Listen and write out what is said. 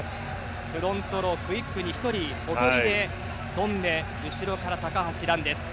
フロントロークイックに１人おとりで跳んで後ろから高橋藍です。